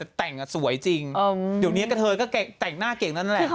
แต่งสวยจริงเดี๋ยวนี้กระเทยก็แต่งหน้าเก่งนั่นแหละ